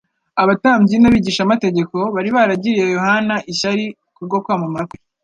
Abatambyi n’abigishamategeko bari baragiriye Yohana ishyari kubwo kwamamara kwe